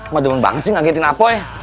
mau demen banget sih ngagetin apa ya